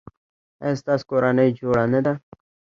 ایا ستاسو کورنۍ جوړه نه ده؟